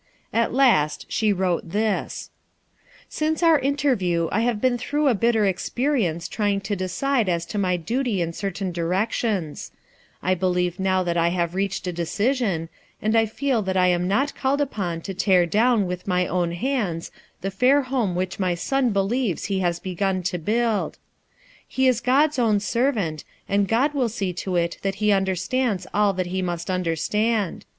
At last she wrote this :— "Since our interview I have been through a bitter experience trying to decide as to my duty in certain directions, I believe now that I have reached a decision, and feel that I am not called upon to tear clown with my own hands the fair home which my son believes he has begun to build. He is God's own servant, and God mil see to it that he understands all that he must understand.